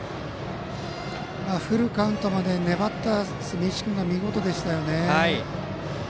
フルカウントまで粘った住石君が見事でしたね。